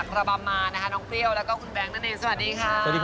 ครอบครัวอะไรอย่างเงี้ยบางทีก็ตบตีกันเพราะว่าผู้ชายคนเดียว